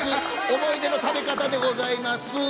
思い出の食べ方でございますー。